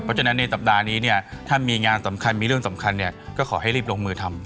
เพราะฉะนั้นในสัปดาห์นี้เนี่ยถ้ามีงานสำคัญมีเรื่องสำคัญเนี่ยก็ขอให้รีบลงมือทำ